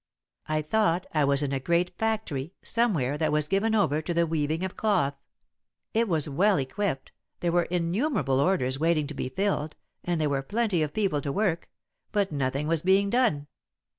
I thought I was in a great factory, somewhere, that was given over to the weaving of cloth. It was well equipped, there were innumerable orders waiting to be filled, and there were plenty of people to work, but nothing was being done.